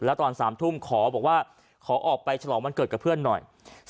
แล้วตอน๓ทุ่มขอบอกว่าขอออกไปฉลองวันเกิดกับเพื่อนหน่อย